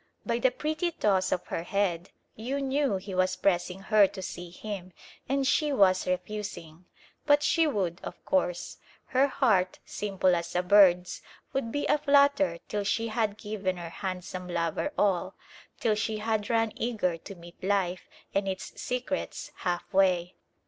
By the pretty toss of her head you knew he was pressing her to see him, and she was refusing. But she would, of course. Her heart, simple as a bird's, would be a flutter till she had given her handsome lover all, till she had run eager to meet Life and its secrets half way.